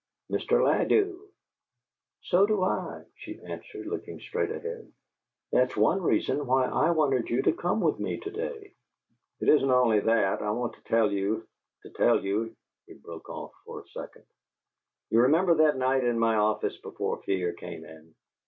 "Mr. Ladew." "So do I," she answered, looking straight ahead. "That is one reason why I wanted you to come with me to day." "It isn't only that. I want to tell you to tell you " He broke off for a second. "You remember that night in my office before Fear came in?"